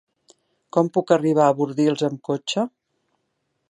Com puc arribar a Bordils amb cotxe?